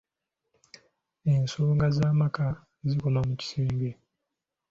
Ensonga z’amaka zikoma mu kisenge.